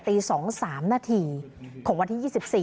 ตี๒๓นาทีของวันที่๒๔